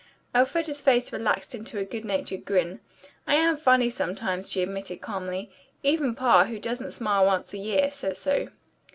Elfreda's face relaxed into a good natured grin. "I am funny sometimes," she admitted calmly. "Even Pa, who doesn't smile once a year, says so."